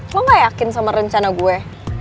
lo gak yakin sama rencana gue